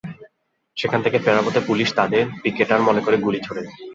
সেখান থেকে ফেরার পথে পুলিশ তাঁদের পিকেটার মনে করে গুলি ছোড়ে।